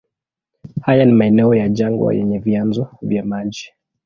Haya ni maeneo ya jangwa yenye vyanzo vya maji.